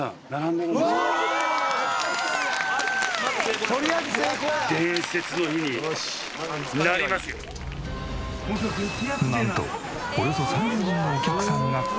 なんとおよそ３０人のお客さんが開店待ち！